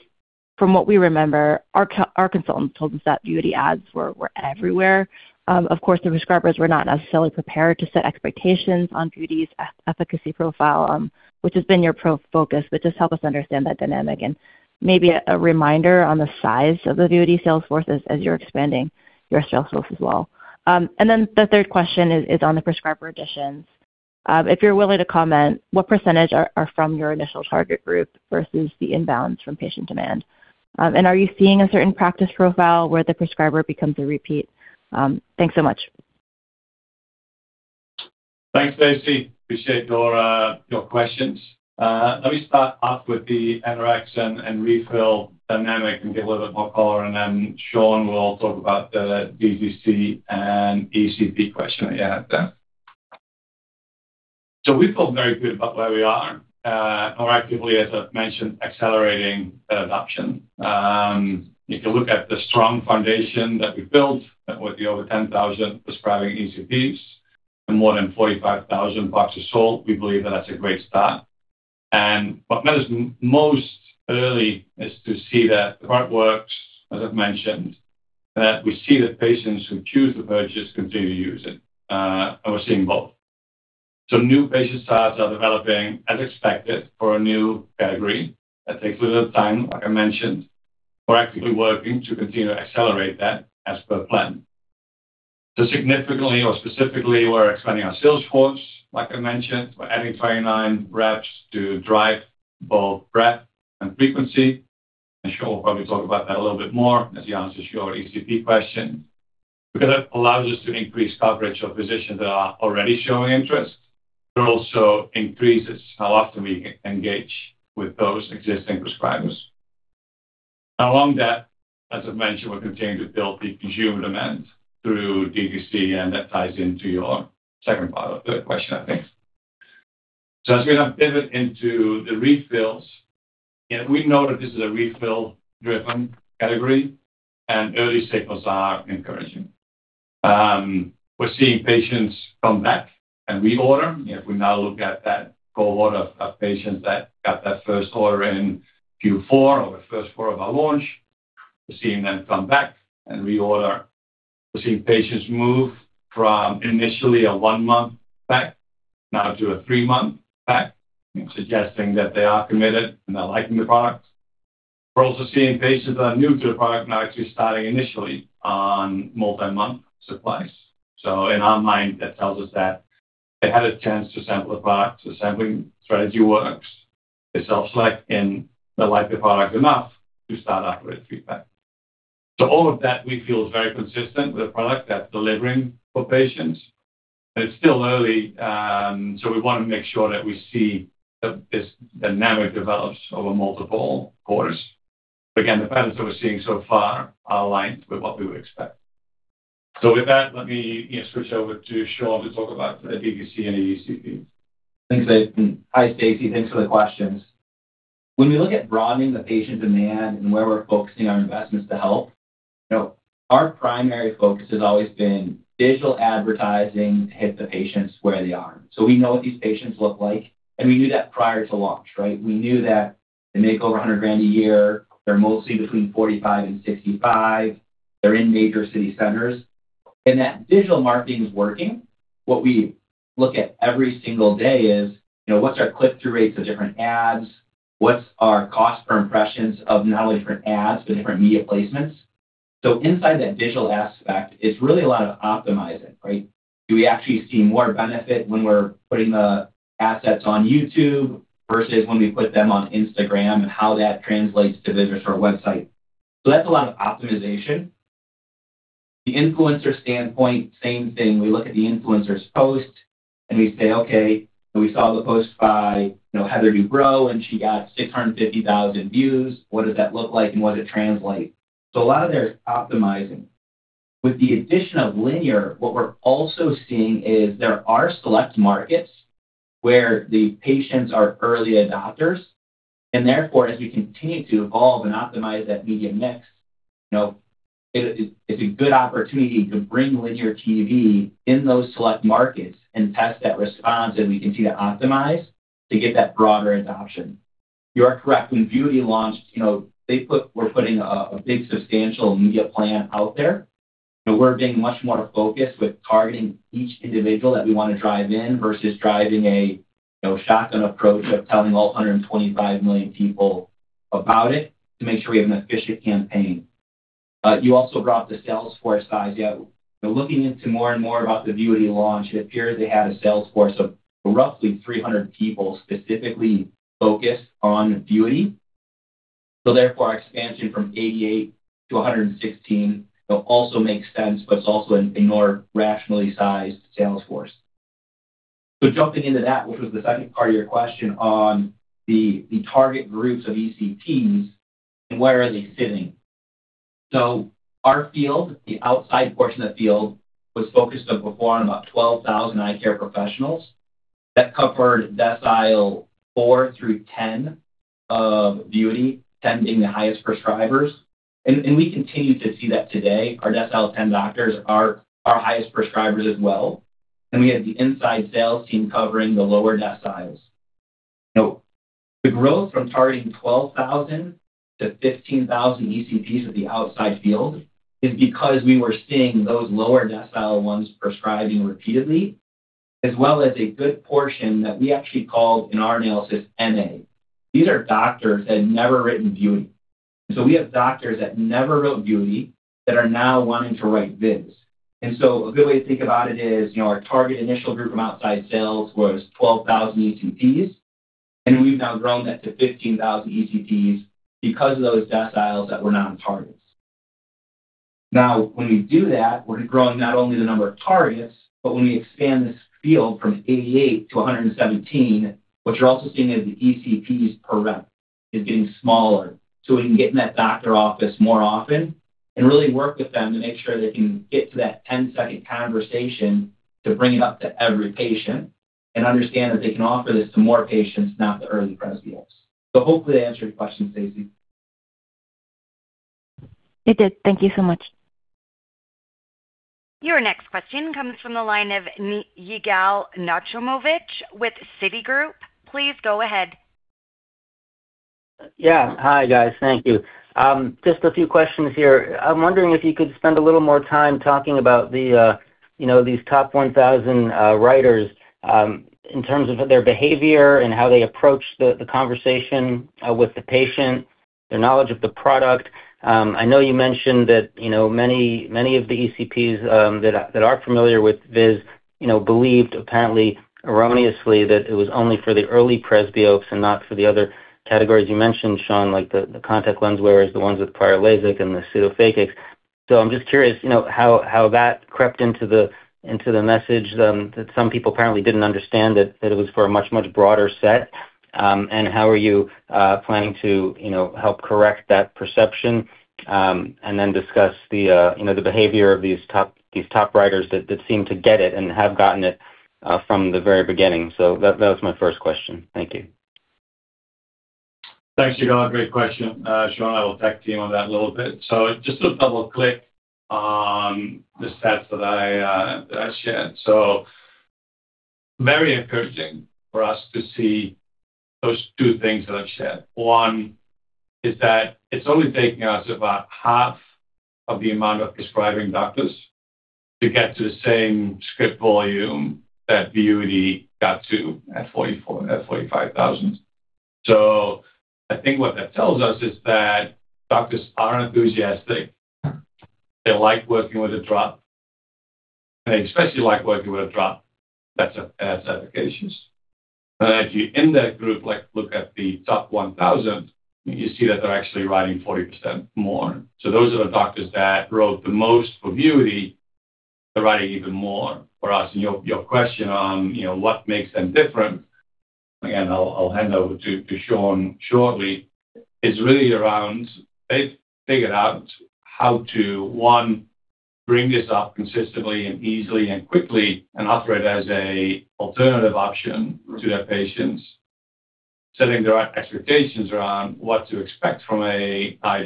from what we remember, our consultants told us that VUITY ads were everywhere. Of course, the prescribers were not necessarily prepared to set expectations on VIZZ's efficacy profile, which has been your focus. Just help us understand that dynamic and maybe a reminder on the size of the VIZZ sales forces as you're expanding your sales force as well. The third question is on the prescriber additions. If you're willing to comment, what percentage are from your initial target group versus the inbounds from patient demand? Are you seeing a certain practice profile where the prescriber becomes a repeat? Thanks so much. Thanks, Stacy. Appreciate your questions. Let me start off with the NRX and refill dynamic and give a little bit more color, and then Shawn will talk about the DTC and ECP question that you had there. We feel very good about where we are. More actively, as I've mentioned, accelerating the adoption. If you look at the strong foundation that we built with the over 10,000 prescribing ECPs and more than 45,000 boxes sold, we believe that that's a great start. What matters most early is to see that the product works, as I've mentioned, that we see that patients who choose to purchase continue to use it, and we're seeing both. New patient starts are developing as expected for a new category. That takes a little time, like I mentioned. We're actively working to continue to accelerate that as per plan. Significantly or specifically, we're expanding our sales force, like I mentioned. We're adding 29 reps to drive both breadth and frequency. Shawn will probably talk about that a little bit more as he answers your ECP question. Because that allows us to increase coverage of physicians that are already showing interest, but also increases how often we engage with those existing prescribers. Now along that, as I've mentioned, we're continuing to build the consumer demand through DTC, and that ties into your second part of the question, I think. I was going to pivot into the refills. We know that this is a refill-driven category and early signals are encouraging. We're seeing patients come back and reorder. If we now look at that cohort of patients that got that first order in Q4 or the Q1 of our launch, we're seeing them come back and reorder. We're seeing patients move from initially a one-month pack now to a three-month pack, suggesting that they are committed and they're liking the product. We're also seeing patients that are new to the product now actually starting initially on multi-month supplies. In our mind, that tells us that they had a chance to sample the product, the sampling strategy works. They self-select and they like the product enough to start out with a three-pack. All of that we feel is very consistent with a product that's delivering for patients. It's still early, so we want to make sure that we see that this dynamic develops over multiple quarters. Again, the patterns that we're seeing so far are aligned with what we would expect. With that, let me, you know, switch over to Shawn to talk about the DTC and the ECP. Thanks, Abe, and hi Stacy. Thanks for the questions. When we look at broadening the patient demand and where we're focusing our investments to help, you know, our primary focus has always been digital advertising to hit the patients where they are. We know what these patients look like, and we knew that prior to launch, right? We knew that- They make over $100,000 a year. They're mostly between 45 and 65. They're in major city centers. That digital marketing is working. What we look at every single day is, you know, what's our click-through rates of different ads? What's our cost per impressions of not only different ads, but different media placements. So inside that digital aspect, it's really a lot of optimizing, right? Do we actually see more benefit when we're putting the assets on YouTube versus when we put them on Instagram, and how that translates to visitors to our website. So that's a lot of optimization. The influencer standpoint, same thing. We look at the influencer's post, and we say, "Okay, we saw the post by, you know, Heather Dubrow, and she got 650,000 views. What does that look like, and what does it translate? A lot of there's optimizing. With the addition of linear, what we're also seeing is there are select markets where the patients are early adopters, and therefore, as we continue to evolve and optimize that media mix, you know, it's a good opportunity to bring linear TV in those select markets and test that response that we continue to optimize to get that broader adoption. You are correct. When Vuity launched, you know, they were putting a big substantial media plan out there, but we're being much more focused with targeting each individual that we wanna drive in versus driving a shotgun approach of telling all 125 million people about it to make sure we have an efficient campaign. You also brought the sales force size. Yeah. Looking into more and more about the Vuity launch, it appeared they had a sales force of roughly 300 people specifically focused on Vuity. Therefore, our expansion from 88 to 116, you know, also makes sense, but it's also a more rationally sized sales force. Jumping into that, which was the second part of your question on the target groups of ECPs and where are they sitting. Our field, the outside portion of the field, was focused on before on about 12,000 eye care professionals. That covered decile 4 through 10 of Vuity, 10 being the highest prescribers. We continue to see that today. Our decile 10 doctors are our highest prescribers as well. We have the inside sales team covering the lower deciles. You know, the growth from targeting 12,000 to 15,000 ECPs at the outside field is because we were seeing those lower decile ones prescribing repeatedly, as well as a good portion that we actually called in our analysis NA. These are doctors that had never written Vuity. We have doctors that never wrote Vuity that are now wanting to write VIZZ. A good way to think about it is, you know, our target initial group from outside sales was 12,000 ECPs, and we've now grown that to 15,000 ECPs because of those deciles that were non-targets. Now, when we do that, we're growing not only the number of targets, but when we expand this field from 88 to 117, what you're also seeing is the ECPs per rep is getting smaller, so we can get in that doctor office more often and really work with them to make sure they can get to that 10-second conversation to bring it up to every patient and understand that they can offer this to more patients, not the early presbyopes. Hopefully that answered your question, Stacey. It did. Thank you so much. Your next question comes from the line of Yigal Nochomovitz with Citigroup. Please go ahead. Yeah. Hi, guys. Thank you. Just a few questions here. I'm wondering if you could spend a little more time talking about the, you know, these top 1,000 writers, in terms of their behavior and how they approach the conversation with the patient, their knowledge of the product. I know you mentioned that, you know, many of the ECPs that are familiar with VIZZ, you know, believed apparently erroneously that it was only for the early presbyopes and not for the other categories you mentioned, Sean, like the contact lens wearers, the ones with prior LASIK and the pseudophakic. I'm just curious, you know, how that crept into the message that some people apparently didn't understand that it was for a much, much broader set. How are you planning to, you know, help correct that perception? Discuss, you know, the behavior of these top writers that seem to get it and have gotten it from the very beginning. That was my first question. Thank you. Thanks, Yigal. Great question. Shawn, I will tag team on that a little bit. Just to double-click on the stats that I shared. Very encouraging for us to see those two things that I've shared. One is that it's only taking us about half of the amount of prescribing doctors to get to the same script volume that Vuity got to at 45,000. I think what that tells us is that doctors are enthusiastic. They like working with the drop. They especially like working with a drop that's has indications. And if you're in that group, like, look at the top 1,000, you see that they're actually writing 40% more. Those are the doctors that wrote the most for Vuity. They're writing even more for us. Your question on, you know, what makes them different, again, I'll hand over to Shawn shortly, is really around they've figured out how to, one, bring this up consistently and easily and quickly and offer it as a alternative option to their patients, setting the right expectations around what to expect from an eye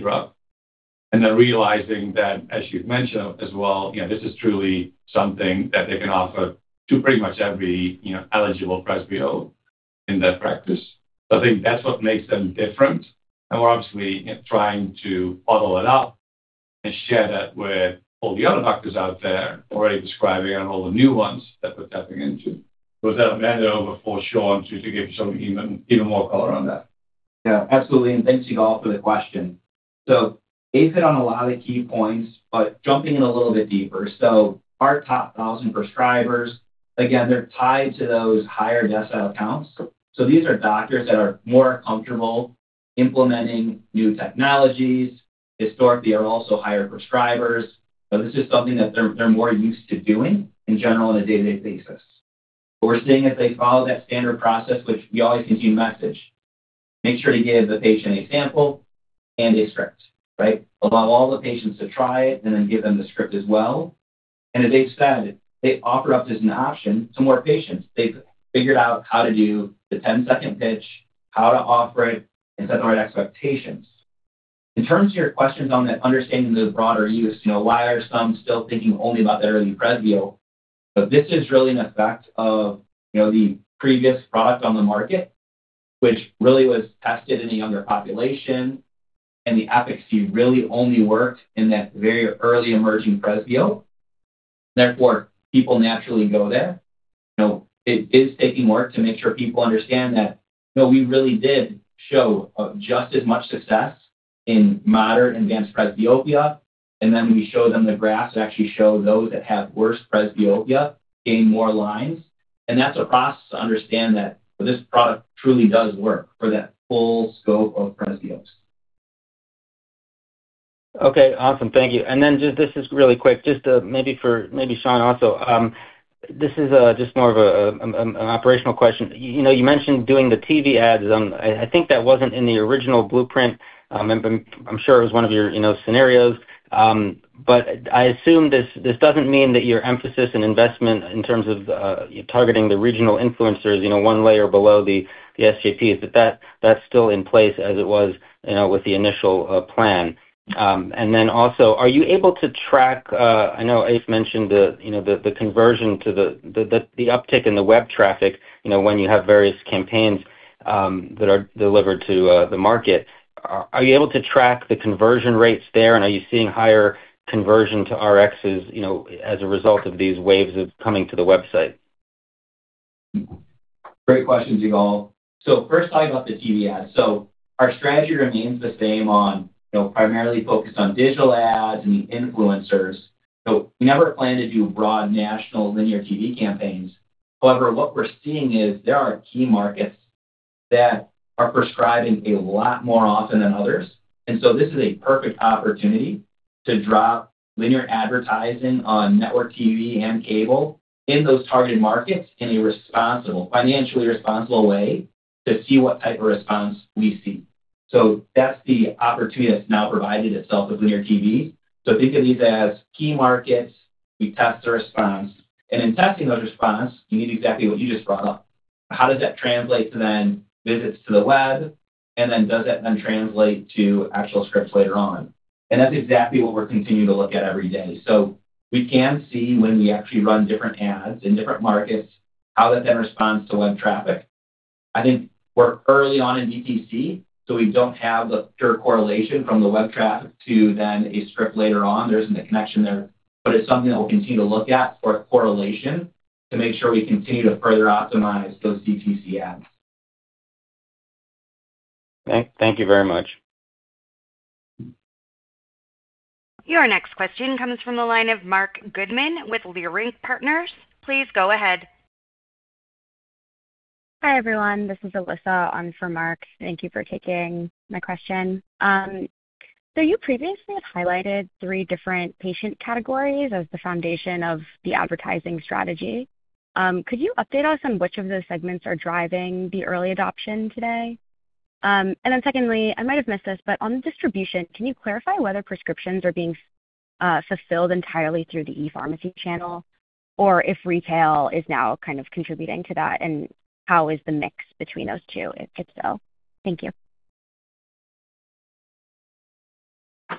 drop. Then realizing that, as you've mentioned as well, you know, this is truly something that they can offer to pretty much every, you know, eligible presbyope in their practice. I think that's what makes them different. We're obviously trying to bottle it up and share that with all the other doctors out there already prescribing and all the new ones that we're tapping into. With that, I'll hand it over for Shawn to give some even more color on that. Yeah, absolutely. Thanks, Yigal, for the question. Ace hit on a lot of the key points, but jumping in a little bit deeper. Our top 1,000 prescribers, again, they're tied to those higher decile counts. These are doctors that are more comfortable implementing new technologies. Historically, they are also higher prescribers. This is something that they're more used to doing in general on a day-to-day basis. What we're seeing is they follow that standard process, which we always continue to message, make sure to give the patient a sample and a script, right? Allow all the patients to try it and then give them the script as well. As they've said, they offer up as an option to more patients. They've figured out how to do the 10-second pitch, how to offer it, and set the right expectations. In terms of your questions on the understanding the broader use, you know, why are some still thinking only about the early presbyope? This is really an effect of, you know, the previous product on the market, which really was tested in the younger population. The Vuity really only worked in that very early emerging presbyope. Therefore, people naturally go there. You know, it is taking work to make sure people understand that, you know, we really did show just as much success in moderate and advanced presbyopia. Then we show them the graphs that actually show those that have worse presbyopia gain more lines. That's a process to understand that this product truly does work for that full scope of presbyopes. Okay, awesome. Thank you. Just, this is really quick, just to maybe Shawn also, this is just more of an operational question. You know, you mentioned doing the TV ads. I think that wasn't in the original blueprint. And I'm sure it was one of your, you know, scenarios, but I assume this doesn't mean that your emphasis and investment in terms of targeting the regional influencers, you know, one layer below the SJPs, that's still in place as it was, you know, with the initial plan. Also, are you able to track... I know Ace mentioned the conversion and the uptick in the web traffic, you know, when you have various campaigns that are delivered to the market. Are you able to track the conversion rates there? Are you seeing higher conversion to Rx's, you know, as a result of these waves of coming to the website? Great questions, Yigal. First talking about the TV ads. Our strategy remains the same on, you know, primarily focused on digital ads and influencers. We never plan to do broad national linear TV campaigns. However, what we're seeing is there are key markets that are prescribing a lot more often than others. This is a perfect opportunity to drop linear advertising on network TV and cable in those target markets in a responsible, financially responsible way to see what type of response we see. That's the opportunity that's now provided itself with linear TV. Think of these as key markets. We test the response, and in testing those response, you mean exactly what you just brought up. How does that translate to then visits to the web? Then does that then translate to actual scripts later on? That's exactly what we're continuing to look at every day. We can see when we actually run different ads in different markets, how that then responds to web traffic. I think we're early on in DTC, so we don't have the pure correlation from the web traffic to then a script later on. There isn't a connection there, but it's something that we'll continue to look at for a correlation to make sure we continue to further optimize those DTC ads. Thank you very much. Your next question comes from the line of Marc Goodman with Leerink Partners. Please go ahead. Hi, everyone, this is Alyssa. I'm for Mark. Thank you for taking my question. So you previously highlighted three different patient categories as the foundation of the advertising strategy. Could you update us on which of those segments are driving the early adoption today? And then secondly, I might have missed this, but on the distribution, can you clarify whether prescriptions are being fulfilled entirely through the ePharmacy channel or if retail is now kind of contributing to that? And how is the mix between those two, if so? Thank you.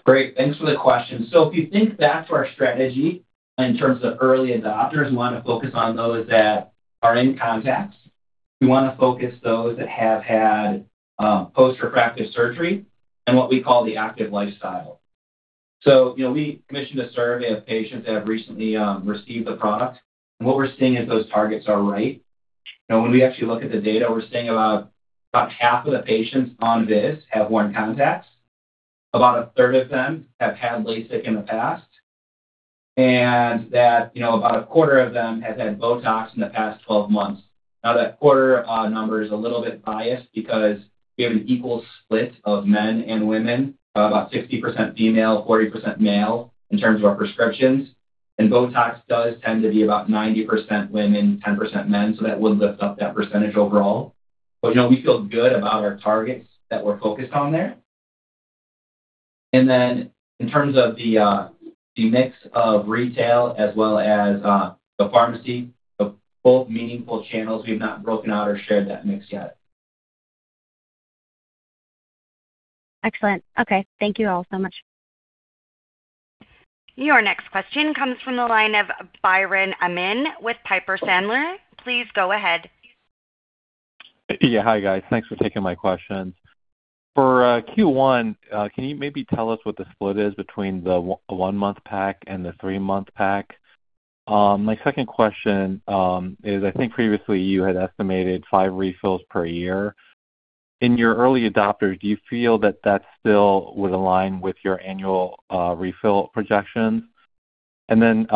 Great. Thanks for the question. If you think back to our strategy in terms of early adopters, we wanna focus on those that are in contacts. We wanna focus those that have had post-refractive surgery and what we call the active lifestyle. You know, we commissioned a survey of patients that have recently received the product, and what we're seeing is those targets are right. You know, when we actually look at the data, we're seeing about half of the patients on VIZZ have worn contacts. About a third of them have had LASIK in the past, and that, you know, about a quarter of them have had Botox in the past 12 months. That quarter number is a little bit biased because we have an equal split of men and women, about 60% female, 40% male, in terms of our prescriptions. Botox does tend to be about 90% women, 10% men, so that would lift up that percentage overall. You know, we feel good about our targets that we're focused on there. Then in terms of the mix of retail as well as the pharmacy, they're both meaningful channels. We have not broken out or shared that mix yet. Excellent. Okay. Thank you all so much. Your next question comes from the line of Brian Abrahams with Piper Sandler. Please go ahead. Yeah. Hi, guys. Thanks for taking my questions. For Q1, can you maybe tell us what the split is between the one-month pack and the three-month pack? My second question is I think previously you had estimated five refills per year. In your early adopter, do you feel that that still would align with your annual refill projections? Then,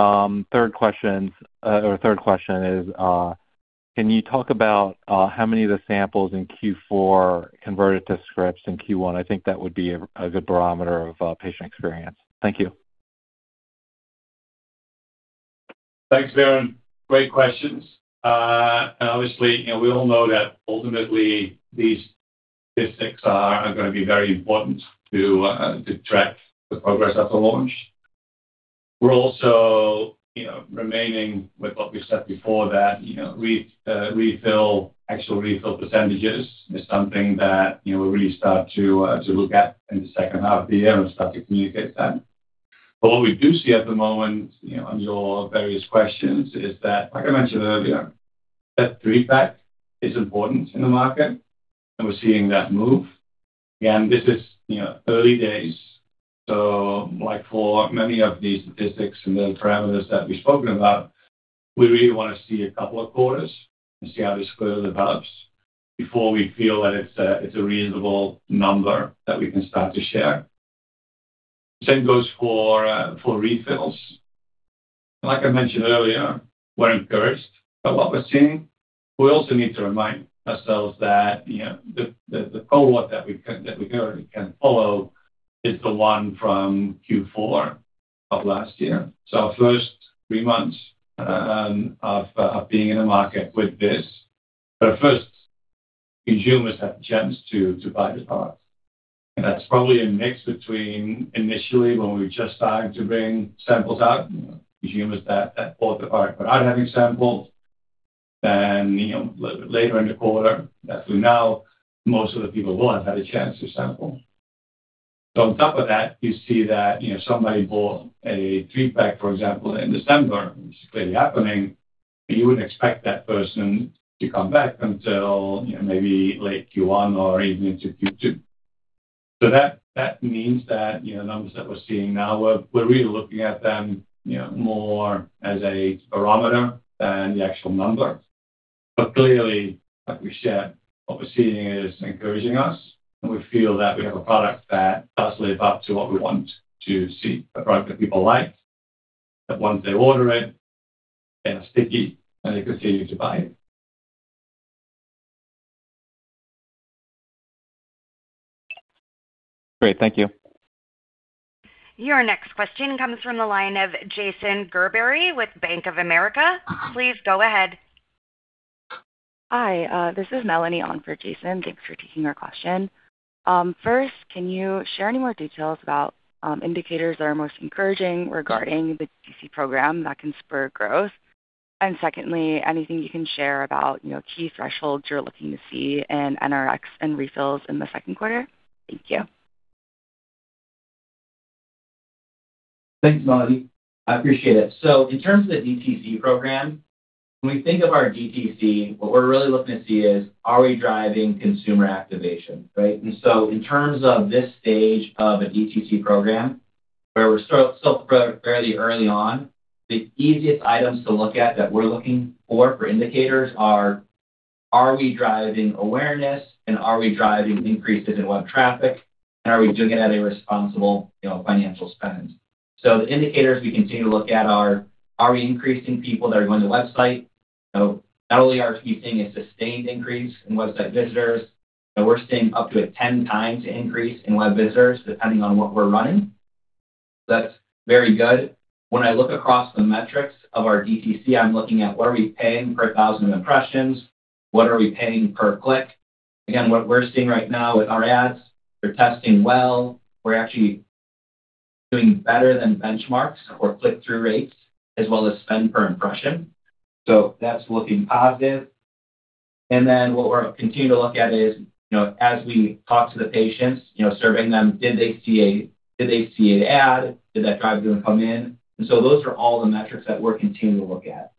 third question is, can you talk about how many of the samples in Q4 converted to scripts in Q1? I think that would be a good barometer of patient experience. Thank you. Thanks, Brian. Great questions. Obviously, you know, we all know that ultimately these statistics are gonna be very important to track the progress of the launch. We're also, you know, remaining with what we said before that, you know, refill actual refill percentages is something that, you know, we really start to look at in the second half of the year and start to communicate that. But what we do see at the moment, you know, on your various questions is that, like I mentioned earlier, that three-pack is important in the market, and we're seeing that move. Again, this is, you know, early days. Like for many of these statistics and the parameters that we've spoken about, we really wanna see a couple of quarters and see how this further develops before we feel that it's a reasonable number that we can start to share. Same goes for refills. Like I mentioned earlier, we're encouraged by what we're seeing. We also need to remind ourselves that, you know, the cohort that we currently can follow is the one from Q4 of last year. Our first three months of being in the market with this. But our first consumers had the chance to buy the product. That's probably a mix between initially when we were just starting to bring samples out, you know, consumers that bought the product without having sampled, then, you know, later in the quarter that we know most of the people will have had a chance to sample. On top of that, you see that, you know, somebody bought a three-pack, for example, in December, which is clearly happening, but you wouldn't expect that person to come back until, you know, maybe late Q1 or even into Q2. That means that, you know, numbers that we're seeing now, we're really looking at them, you know, more as a barometer than the actual number. Clearly, like we shared, what we're seeing is encouraging us, and we feel that we have a product that does live up to what we want to see. A product that people like, that once they order it, they are sticky, and they continue to buy. Great. Thank you. Your next question comes from the line of Jason Gerberry with Bank of America. Please go ahead. Hi. This is Melanie on for Jason. Thanks for taking our question. First, can you share any more details about indicators that are most encouraging regarding the DTC program that can spur growth? Secondly, anything you can share about, you know, key thresholds you're looking to see in NRX and refills in the Q2? Thank you. Thanks, Melanie. I appreciate it. In terms of the DTC program, when we think of our DTC, what we're really looking to see is are we driving consumer activation, right? In terms of this stage of a DTC program, where we're still pretty early on, the easiest items to look at that we're looking for indicators are we driving awareness and are we driving increases in web traffic and are we doing it at a responsible, you know, financial spend? The indicators we continue to look at are we increasing people that are going to the website? Not only are we seeing a sustained increase in website visitors, but we're seeing up to a 10 times increase in web visitors depending on what we're running. That's very good. When I look across the metrics of our DTC, I'm looking at what are we paying per thousand impressions? What are we paying per click? Again, what we're seeing right now with our ads, they're testing well. We're actually doing better than benchmarks or click-through rates as well as spend per impression. That's looking positive. Then what we're continuing to look at is, you know, as we talk to the patients, you know, surveying them, did they see an ad? Did that drive them to come in? Those are all the metrics that we're continuing to look at.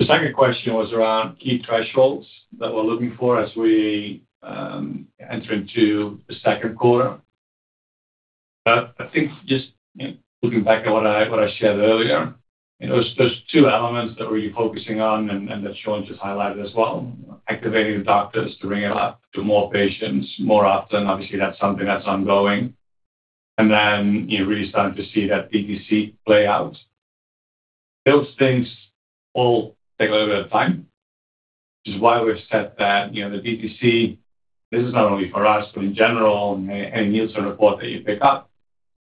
The second question was around key thresholds that we're looking for as we enter into the second quarter. I think just, you know, looking back at what I shared earlier, you know, there's two elements that we're really focusing on and that Sean just highlighted as well. Activating the doctors to bring it up to more patients more often. Obviously, that's something that's ongoing. Then, you know, really starting to see that DTC play out. Those things all take a little bit of time, which is why we've said that, you know, the DTC, this is not only for us, but in general, any Nielsen report that you pick up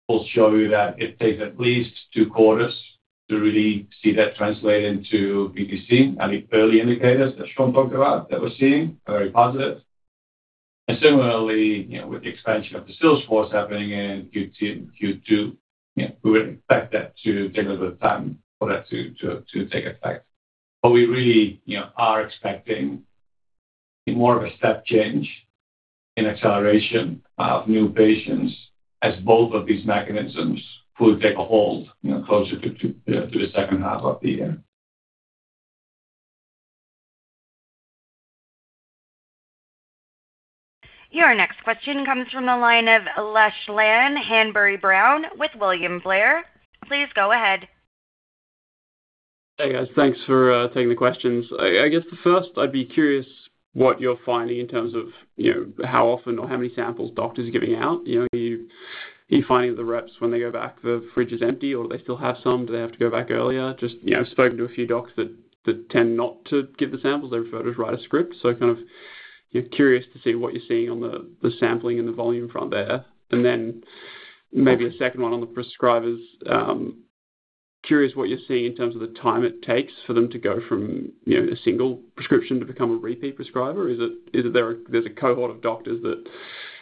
will show you that it takes at least two quarters to really see that translate into DTC. The early indicators that Sean talked about that we're seeing are very positive. Similarly, you know, with the expansion of the sales force happening in Q2, we would expect that to take a little bit of time for that to take effect. We really, you know, are expecting more of a step change in acceleration of new patients as both of these mechanisms will take a hold, you know, closer to the second half of the year. Your next question comes from the line of Lachlan Hanbury-Brown with William Blair. Please go ahead. Hey, guys. Thanks for taking the questions. I guess the first I'd be curious what you're finding in terms of, you know, how often or how many samples doctors are giving out. You know, are you finding the reps when they go back, the fridge is empty or do they still have some, do they have to go back earlier? Just, you know, I've spoken to a few docs that tend not to give the samples. They prefer to write a script. So kind of curious to see what you're seeing on the sampling and the volume front there. Then maybe a second one on the prescribers. Curious what you're seeing in terms of the time it takes for them to go from, you know, a single prescription to become a repeat prescriber. There's a cohort of doctors that,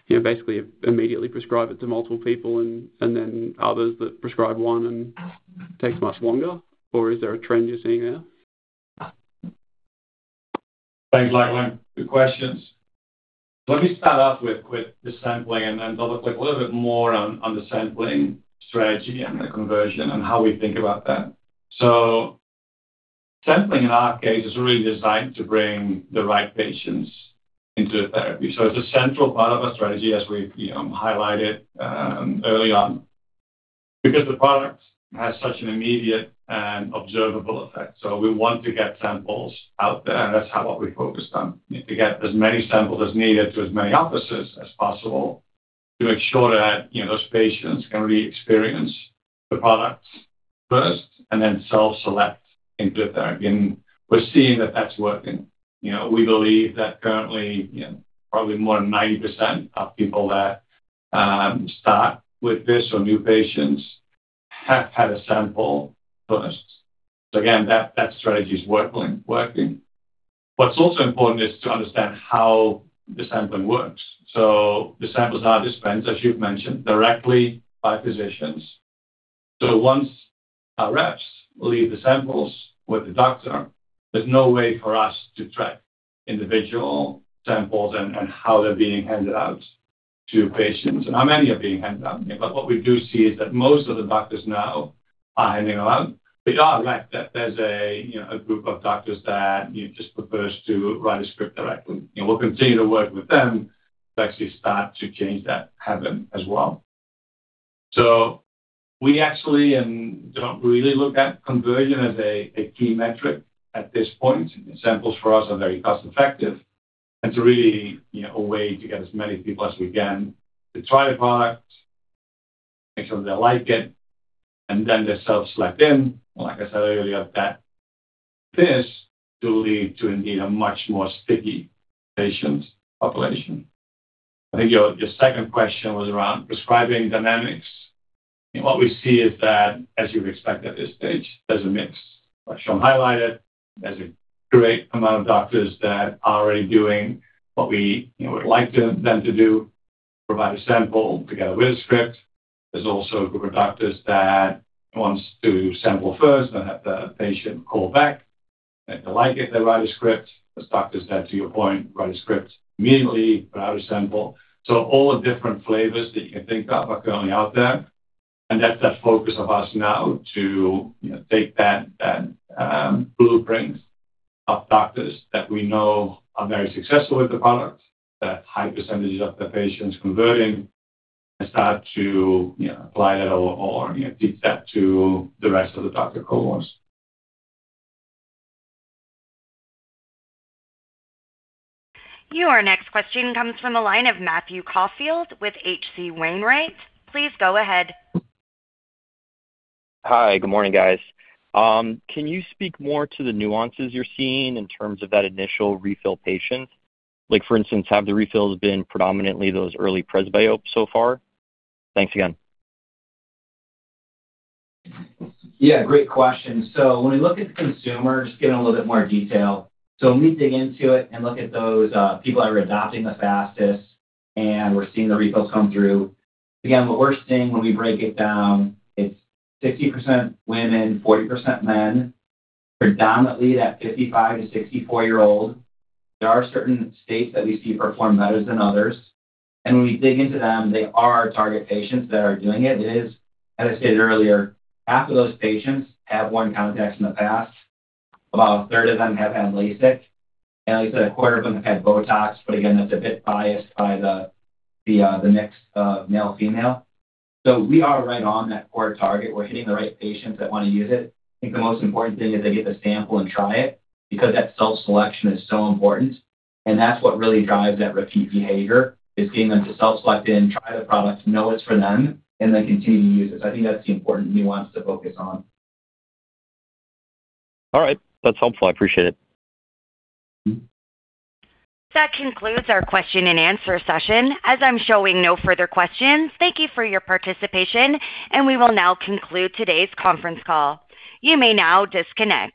you know, basically immediately prescribe it to multiple people and then others that prescribe one and takes much longer. Or is there a trend you're seeing there? Thanks, Lachlan. Good questions. Let me start off with the sampling and then I'll talk a little bit more on the sampling strategy and the conversion and how we think about that. Sampling in our case is really designed to bring the right patients into the therapy. It's a central part of our strategy, as we, you know, highlighted early on, because the product has such an immediate and observable effect. We want to get samples out there, and that's what we focused on. To get as many samples as needed to as many offices as possible to make sure that, you know, those patients can really experience the product first and then self-select into the therapy. We're seeing that that's working. You know, we believe that currently, you know, probably more than 90% of people that start with this or new patients have had a sample first. Again, that strategy is working. What's also important is to understand how the sampling works. The samples are dispensed, as you've mentioned, directly by physicians. Once our reps leave the samples with the doctor, there's no way for us to track individual samples and how they're being handed out to patients and how many are being handed out. What we do see is that most of the doctors now are handing them out. We are right that there's a, you know, a group of doctors that just prefers to write a script directly, and we'll continue to work with them to actually start to change that habit as well. We actually don't really look at conversion as a key metric at this point. Samples for us are very cost-effective and it's really, you know, a way to get as many people as we can to try the product, make sure they like it, and then they self-select in. Like I said earlier, that this will lead to indeed a much more sticky patient population. I think your second question was around prescribing dynamics. What we see is that, as you'd expect at this stage, there's a mix. As Shawn highlighted, there's a great amount of doctors that are already doing what we, you know, would like them to do, provide a sample together with a script. There's also a group of doctors that wants to sample first, then have the patient call back. If they like it, they write a script. There's doctors that, to your point, write a script immediately without a sample. So all the different flavors that you can think of are currently out there, and that's the focus of us now to, you know, take that, blueprint of doctors that we know are very successful with the product, that high percentages of the patients converting and start to, you know, apply that or, you know, teach that to the rest of the doctor cohorts. Your next question comes from a line of Matthew Caufield with H.C. Wainwright. Please go ahead. Hi. Good morning, guys. Can you speak more to the nuances you're seeing in terms of that initial refill patient? Like for instance, have the refills been predominantly those early presbyopes so far? Thanks again. Yeah, great question. When we look at the consumer, just get a little bit more detail. When we dig into it and look at those people that are adopting the fastest and we're seeing the refills come through. Again, what we're seeing when we break it down, it's 60% women, 40% men, predominantly that 55-64-year-old. There are certain states that we see perform better than others. When we dig into them, they are our target patients that are doing it. It is, as I stated earlier, half of those patients have worn contacts in the past. About a third of them have had LASIK, and at least a quarter of them have had Botox. Again, that's a bit biased by the mix of male/female. We are right on that core target. We're hitting the right patients that want to use it. I think the most important thing is they get the sample and try it because that self-selection is so important. That's what really drives that repeat behavior is getting them to self-select in, try the product, know it's for them, and then continue to use it. I think that's the important nuance to focus on. All right. That's helpful. I appreciate it. That concludes our question and answer session. As I'm showing no further questions, thank you for your participation, and we will now conclude today's conference call. You may now disconnect.